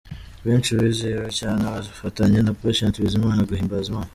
Benshi bizihiwe cyane bafatanya na Patient Bizimana guhimbaza Imana.